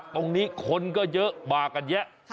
ตรงนี้คนก็เยอะมากันแยะ